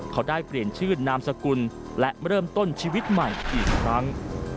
เขาได้เปลี่ยนชื่อนามสกุลและเริ่มต้นชีวิตใหม่อีกครั้ง